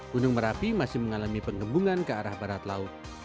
gunung merapi masih mengalami penggembungan ke arah barat laut